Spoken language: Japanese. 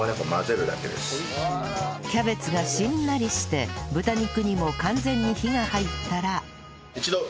キャベツがしんなりして豚肉にも完全に火が入ったら